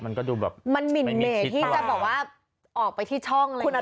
มันก็ดูแบบไม่มีทิศปะมันหมิ่นเหม่ที่จะบอกว่าออกไปที่ช่องอะไรอย่างนี้